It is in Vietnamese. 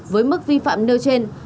với mức vi phạm nêu trên